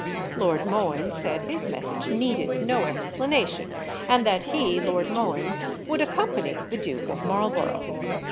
Lord Mohun said his message needed no explanation, and that he [Lord Mohun] would accompany the Duke of Marlborough.